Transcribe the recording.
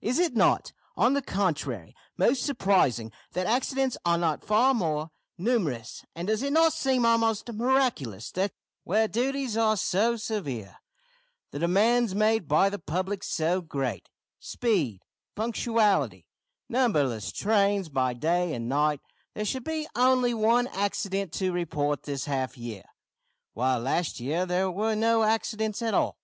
Is it not, on the contrary, most surprising that accidents are not far more numerous; and does it not seem almost miraculous that where duties are so severe, the demands made by the public so great speed, punctuality, numberless trains by day and night there should be only one accident to report this half year, while last half year there were no accidents at all?